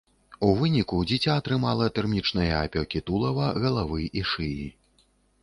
У выніку дзіця атрымала тэрмічныя апёкі тулава, галавы і шыі.